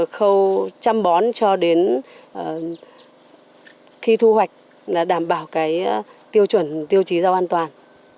khâu chăm bón cho đến khi thu hoạch là đảm bảo tiêu chuẩn tiêu chí rau an toàn